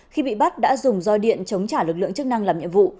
khi bị bắt đã dùng roi điện chống trả lực lượng chức năng làm nhiệm vụ